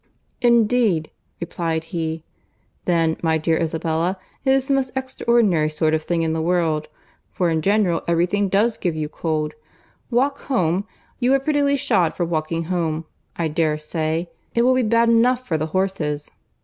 "Indeed!" replied he. "Then, my dear Isabella, it is the most extraordinary sort of thing in the world, for in general every thing does give you cold. Walk home!—you are prettily shod for walking home, I dare say. It will be bad enough for the horses."